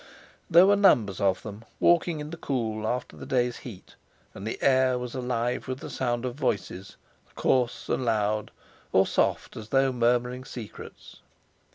There were numbers of them walking in the cool, after the day's heat, and the air was alive with the sound of voices, coarse and loud, or soft as though murmuring secrets.